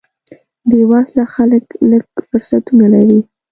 بې وزله خلک لږ فرصتونه لري.